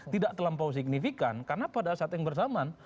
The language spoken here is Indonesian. tidak terlampau signifikan karena pada saat yang bersamaan